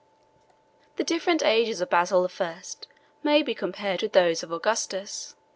The different ages of Basil the First may be compared with those of Augustus.